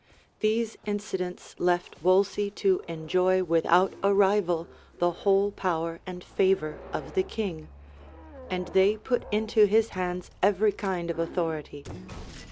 These incidents left Wolsey to enjoy without a rival the whole power and favor of the king; and they put into his hands every kind of authority.